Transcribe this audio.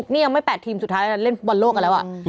นี่ยังไม่๘ทีมสุดท้ายเล่นบอลโลกกันแล้ว